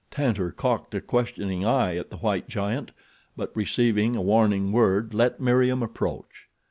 Tantor cocked a questioning eye at the white giant, but receiving a warning word let Meriem approach.